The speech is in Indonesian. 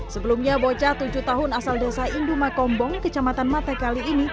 sebelumnya bocah tujuh tahun asal desa induma kombong kecamatan matekali ini